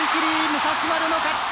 武蔵丸の勝ち。